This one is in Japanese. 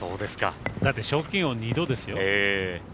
だって、賞金王二度ですよ。